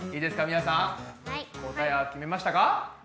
みなさん答えは決めましたか？